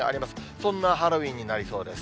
そんなハロウィーンになりそうです。